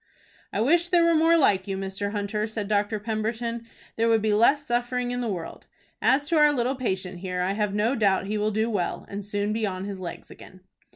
"I wish there were more like you, Mr. Hunter," said Dr. Pemberton. "There would be less suffering in the world. As to our little patient here, I have no doubt he will do well, and soon be on his legs again."